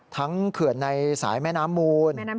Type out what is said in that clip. เขื่อนในสายแม่น้ำมูล